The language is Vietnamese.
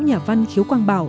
nhà văn khiếu quang bảo